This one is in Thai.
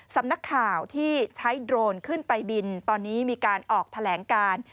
สำนักข่าวที่ใช้โดรนขึ้นไปบินตอนนี้มีการออกแถลงการ